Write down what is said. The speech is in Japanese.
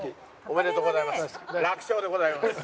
おめでとうございます。